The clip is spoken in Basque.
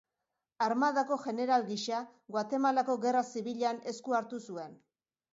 Armadako jeneral gisa, Guatemalako Gerra Zibilean esku hartu zuen.